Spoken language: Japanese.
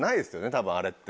多分あれって。